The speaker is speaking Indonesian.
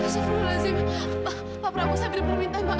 sampai jumpa di video selanjutnya